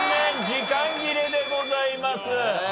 時間切れでございます。